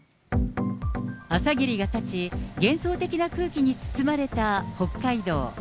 朝霧が立ち、幻想的な空気に包まれた北海道。